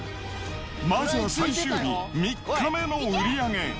まずは最終日、３日目の売り上げ。